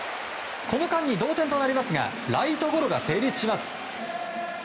この間に同点となりますがライトゴロが成立します。